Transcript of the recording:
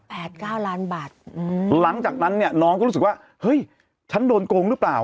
เก้าล้านบาทอืมหลังจากนั้นเนี้ยน้องก็รู้สึกว่าเฮ้ยฉันโดนโกงหรือเปล่า